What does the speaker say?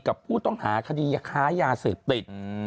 กับผู้ต้องหาคดีค้ายาเสพติด